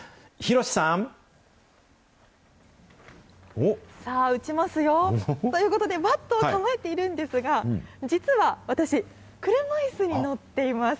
さあ、打ちますよ。ということで、バットを構えているんですが、実は、私、車いすに乗っています。